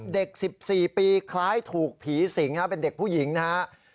เด็ก๑๔ปีคล้ายถูกผีสิงเป็นเด็กผู้หญิงนะครับ